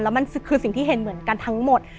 แล้วมันคือสิ่งที่เห็นเหมือนกันทั้งหมด